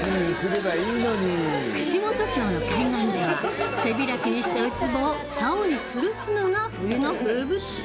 串本町の海岸では背開きにしたウツボをさおにつるすのが冬の風物詩。